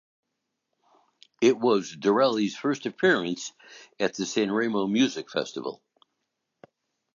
It was Dorelli's first appearance on the Sanremo Music Festival.